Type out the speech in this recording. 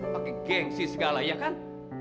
pakai gengsi segala ya kan